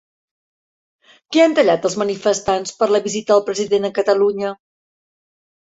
Què han tallat els manifestants per la visita del president a Catalunya?